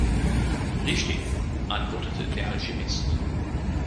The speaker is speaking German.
„Richtig,“ antwortete der Alchemist.